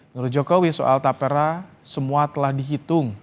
menurut jokowi soal tapera semua telah dihitung